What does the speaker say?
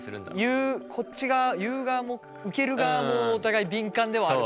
言うこっち側言う側も受ける側もお互い敏感ではあるからね初めましてだと。